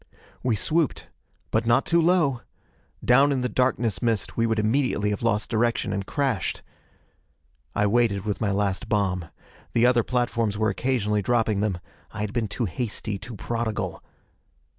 We swooped. But not too low! Down in the darkness mist we would immediately have lost direction, and crashed. I waited with my last bomb. The other platforms were occasionally dropping them: I had been too hasty, too prodigal.